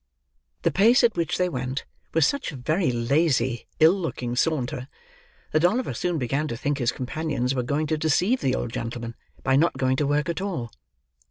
The pace at which they went, was such a very lazy, ill looking saunter, that Oliver soon began to think his companions were going to deceive the old gentleman, by not going to work at all.